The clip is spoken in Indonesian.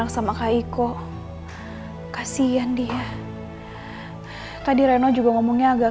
sampai jumpa di video selanjutnya